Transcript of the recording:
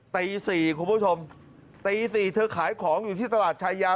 ตี๔คุณผู้ชมตี๔เธอขายของอยู่ที่ตลาดชายา